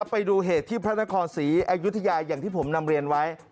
ไปดูเหตุที่พระนครศรีอยุธยาอย่างที่ผมนำเรียนไว้